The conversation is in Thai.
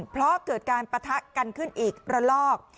เพราะเกิดการปะทะกันขึ้นอีกระลอก